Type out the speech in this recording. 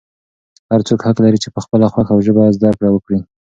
هر څوک حق لري چې په خپله خوښه او ژبه زده کړه وکړي.